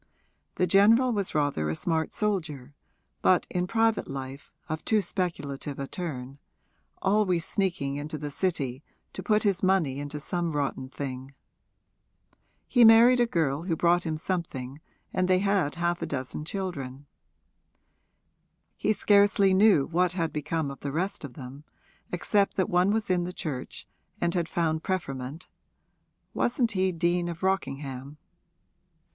The general was rather a smart soldier, but in private life of too speculative a turn always sneaking into the City to put his money into some rotten thing. He married a girl who brought him something and they had half a dozen children. He scarcely knew what had become of the rest of them, except that one was in the Church and had found preferment wasn't he Dean of Rockingham?